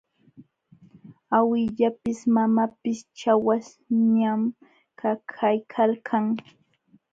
Awillapis mamapis chawaśhñam kaykalkan.